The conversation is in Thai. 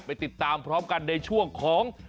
ไปติดตามพร้อมกันในช่วงของ